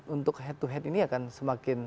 untuk head to head ini akan semakin